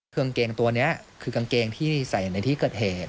กางเกงตัวนี้คือกางเกงที่ใส่ในที่เกิดเหตุ